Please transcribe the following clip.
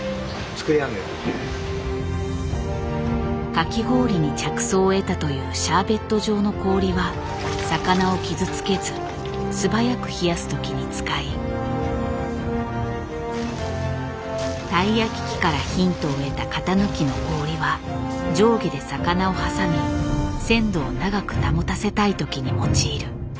かき氷に着想を得たというシャーベット状の氷は魚を傷つけず素早く冷やす時に使いたい焼き器からヒントを得た型抜きの氷は上下で魚を挟み鮮度を長く保たせたい時に用いる。